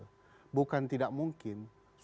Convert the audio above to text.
saya setuju bahwa prima mungkin partai kecil